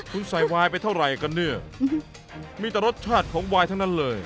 คุณใส่วายไปเท่าไหร่กันเนี่ยมีแต่รสชาติของวายทั้งนั้นเลย